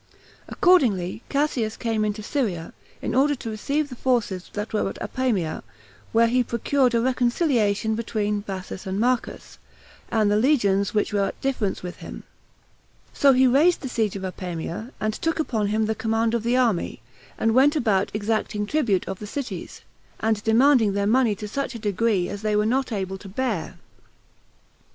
Accordingly, Cassius came into Syria, in order to receive the forces that were at Apamia, where he procured a reconciliation between Bassus and Marcus, and the legions which were at difference with him; so he raised the siege of Apamia, and took upon him the command of the army, and went about exacting tribute of the cities, and demanding their money to such a degree as they were not able to bear.